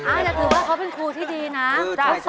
อาจจะถือว่าเขาเป็นครูที่ดีนะ